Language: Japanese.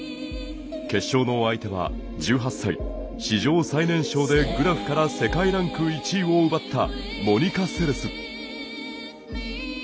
決勝の相手は１８歳史上最年少でグラフから世界ランク１位を奪ったモニカ・セレス。